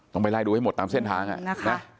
ต้องไปไล่ดูให้หมดตามเส้นทางอ่ะนะคะ